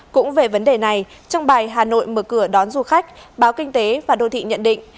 cũng về vấn đề này trong bài hà nội mở cửa đón du khách báo kinh tế và đô thị nhận định